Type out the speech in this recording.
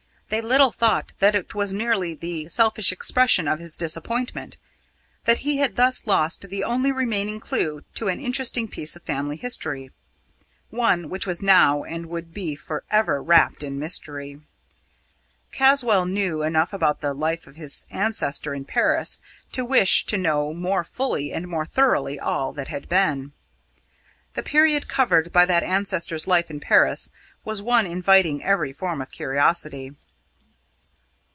They little thought that it was merely the selfish expression of his disappointment, that he had thus lost the only remaining clue to an interesting piece of family history one which was now and would be for ever wrapped in mystery. Caswall knew enough about the life of his ancestor in Paris to wish to know more fully and more thoroughly all that had been. The period covered by that ancestor's life in Paris was one inviting every form of curiosity.